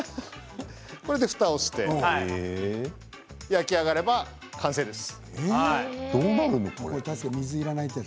これでふたをして焼き上がれば完成です。